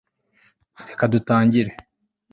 reka dutangire